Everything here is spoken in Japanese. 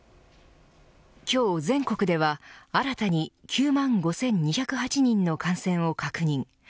今日全国では新たに９万５２０８人の感染を確認。